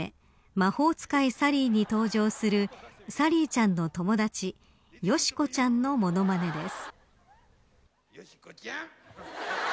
魔法使いサリーに登場するサリーちゃんの友達よしこちゃんの物まねです。